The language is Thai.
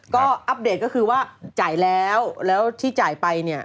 ก็อัปเดตก็คือว่าจ่ายแล้วแล้วที่จ่ายไปเนี่ย